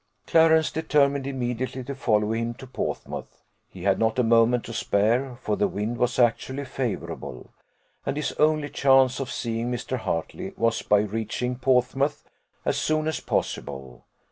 Clarence determined immediately to follow him to Portsmouth: he had not a moment to spare, for the wind was actually favourable, and his only chance of seeing Mr. Hartley was by reaching Portsmouth as soon as possible.